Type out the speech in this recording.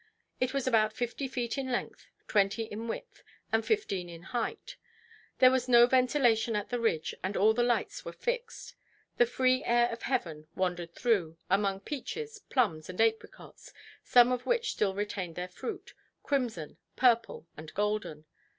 It was about fifty feet in length, twenty in width, and fifteen in height. There was no ventilation at the ridge, and all the lights were fixed. The free air of heaven wandered through, among peaches, plums, and apricots, some of which still retained their fruit, crimson, purple, and golden.